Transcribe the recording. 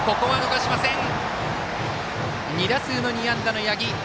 ２打数２安打の八木。